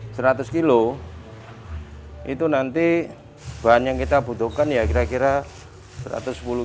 kalau kita mau organik seratus kilo itu nanti bahan yang kita butuhkan ya kira kira satu ratus sepuluh kilo